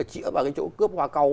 chỉ ở chỗ cướp hoa câu